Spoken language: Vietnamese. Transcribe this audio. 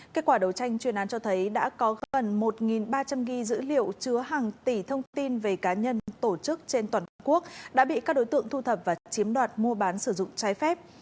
kết quả đấu tranh chuyên án cho thấy đã có gần một ba trăm linh ghi dữ liệu chứa hàng tỷ thông tin về cá nhân tổ chức trên toàn quốc đã bị các đối tượng thu thập và chiếm đoạt mua bán sử dụng trái phép